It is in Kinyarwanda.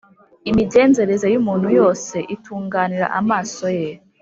imigenzereze y’umuntu yose itunganira amaso ye,